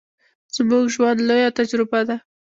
زموږ ژوند، لويه تجربه ده.